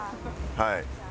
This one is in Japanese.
はい。